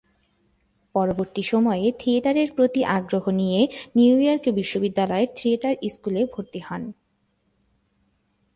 পরবর্তী সময়ে থিয়েটারের প্রতি আগ্রহী হয়ে নিউইয়র্ক বিশ্ববিদ্যালয়ের থিয়েটার স্কুলে ভর্তি হন।